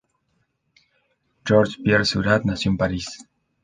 Georges Pierre Seurat nació en París.